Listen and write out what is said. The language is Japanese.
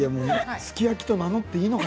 すき焼きと名乗っていいの？